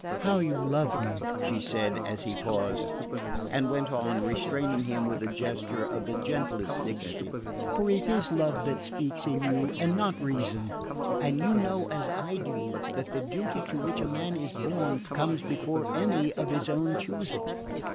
"How you love me!" she said as he paused; and went on, restraining him with a gesture of the gentlest dignity: "For it is love that speaks thus in you and not reason; and you know as I do that the duty to which a man is born comes before any of his own choosing.